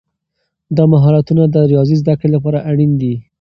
دا مهارتونه د ریاضي زده کړې لپاره اړین دي.